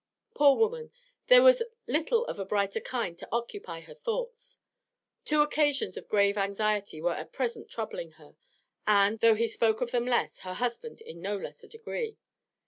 Poor woman, there was little of a brighter kind to occupy her thoughts. Two occasions of grave anxiety were at present troubling her, and, though he spoke of them less, her husband in no less a degree.